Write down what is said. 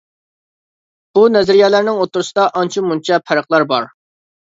بۇ نەزەرىيەلەرنىڭ ئوتتۇرىسىدا ئانچە-مۇنچە پەرقلا بار.